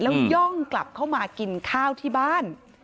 แล้วย่องกลับเข้ามากินข้าวที่บ้าน